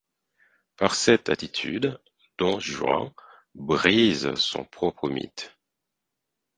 Par cette attitude, Don Juan brise son propre mythe.